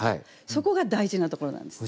そこが大事なところなんです。